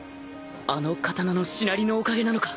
あの刀のしなりのおかげなのか？